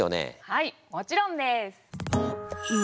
はいもちろんです！